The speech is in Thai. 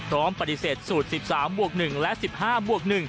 พร้อมปฏิเสธสูตร๑๓บวก๑และ๑๕บวก๑